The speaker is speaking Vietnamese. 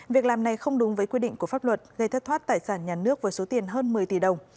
việc làm này không đúng với quy định của pháp luật gây thất thoát tài sản nhà nước với số tiền hơn một mươi tỷ đồng